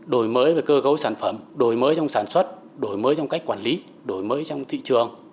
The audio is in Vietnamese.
đổi mới về cơ cấu sản phẩm đổi mới trong sản xuất đổi mới trong cách quản lý đổi mới trong thị trường